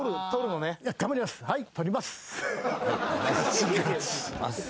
はい。